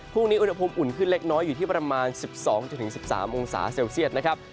พรุ่งนี้อุณหภูมิอุ่นขึ้นเล็กน้อยอยู่ที่ประมาณ๑๒๑๓องศาเซลเซียตนะครับ